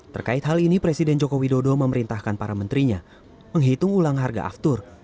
terkait hal ini presiden joko widodo memerintahkan para menterinya menghitung ulang harga aftur